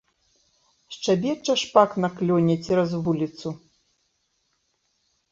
Шчабеча шпак на клёне цераз вуліцу.